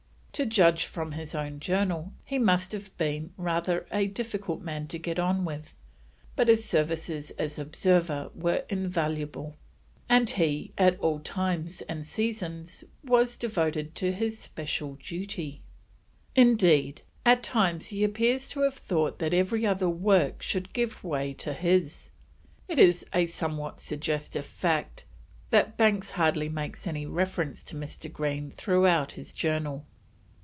To judge from his own Journal, he must have been rather a difficult man to get on with, but his services as observer were invaluable, and he at all times and seasons was devoted to his special duty: indeed, at times he appears to have thought that every other work should give way to his. It is a somewhat suggestive fact that Banks hardly makes any reference to Mr. Green throughout his Journal.